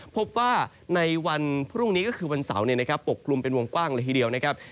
พบว่าในวันพรุ่งนี้ก็คือวันเสาร์ปกกลุ่มเป็นวงกว้างเลยทีเดียวนะครับ